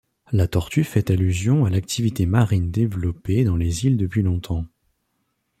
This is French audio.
La tortue fait allusion à l'activité marine développée dans les îles depuis longtemps.